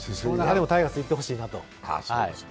でもタイガースにいってほしいなと。